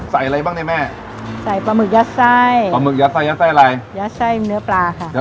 อะไรบ้างเนี่ยแม่ใส่ปลาหมึกยัดไส้ปลาหมึกยัดไส้ยัดไส้อะไรยัดไส้เนื้อปลาค่ะ